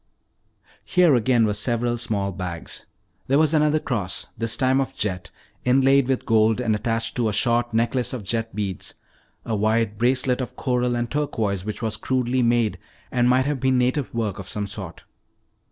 Here again were several small bags. There was another cross, this time of jet inlaid with gold and attached to a short necklace of jet beads; a wide bracelet of coral and turquoise which was crudely made and might have been native work of some sort.